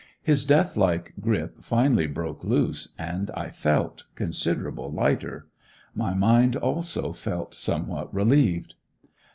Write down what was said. His death like grip finally broke loose and I felt considerable lighter. My mind also, felt somewhat relieved.